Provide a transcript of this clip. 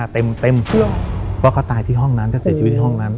๓๐๕เต็มเต็มเพราะเขาตายที่ห้องนั้นเสียชีวิตที่ห้องนั้น